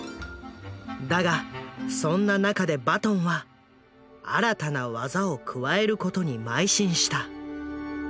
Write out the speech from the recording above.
だがそんな中でバトンは新たな技を加えることに邁進した。